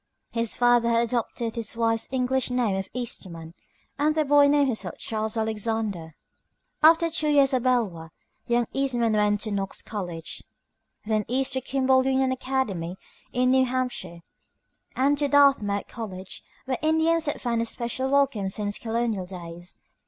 His father had adopted his wife's English name of Eastman, and the boy named himself Charles Alexander. After two years at Beloit, young Eastman went on to Knox College, Ill.; then east to Kimball Union Academy in New Hampshire, and to Dartmouth College, where Indians had found a special welcome since colonial days.